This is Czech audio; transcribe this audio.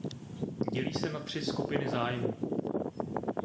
Dělí se na tři skupiny zájmu.